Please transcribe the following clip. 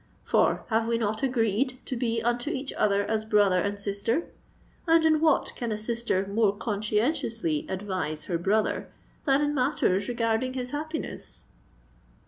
For have we not agreed to be unto each other as brother and sister?—and in what can a sister more conscientiously advise her brother than in matters regarding his happiness?"